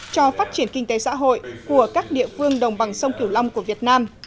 cho phát triển kinh tế xã hội của các địa phương đồng bằng sông kiểu long của việt nam